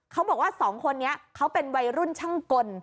เขาบอกว่าสองคนนี้เขาเป็นวัยรุ่นช่างกล